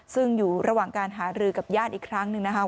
ซึ่งอยู่ระหว่างการหารือกับญาติอีกครั้งหนึ่งนะคะ